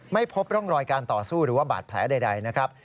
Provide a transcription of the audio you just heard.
ไม่พบร่องรอยการต่อสู้หรือว่าบาดแผลใดนะครับ